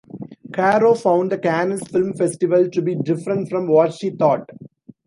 Caro found the Cannes Film Festival to be different from what she thought.